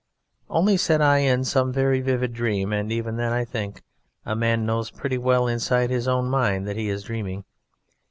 "Only," said I, "in some very vivid dream, and even then I think a man knows pretty well inside his own mind that he is dreaming."